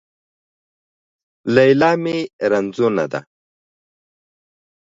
ليلا مې رنځونه ده